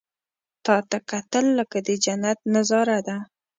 • تا ته کتل، لکه د جنت نظاره ده.